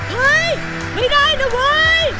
เฮ้ยไม่ได้นะเว้ย